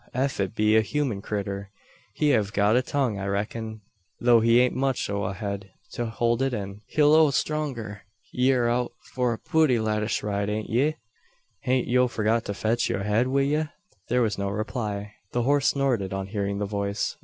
Ef it be a human critter he hev got a tongue I reck'n, though he ain't much o' a head to hold it in. Hilloo stronger! Ye're out for a putty lateish ride, ain't ye? Hain't yo forgot to fetch yur head wi ye?" There was no reply. The horse snorted, on hearing the voice.